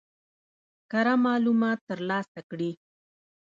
کره معلومات ترلاسه کړي.